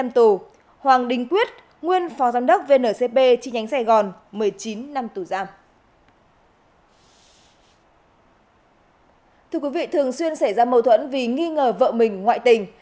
thưa quý vị thường xuyên xảy ra mâu thuẫn vì nghi ngờ vợ mình ngoại tình